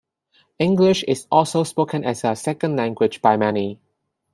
English is also spoken as a second language by many.